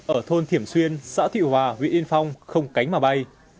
ở thôn thiểm xuyên xã thị hòa huyện yên phong không cánh mà bay